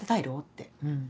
ってうん。